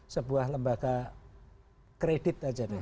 sebuah lembaga kredit saja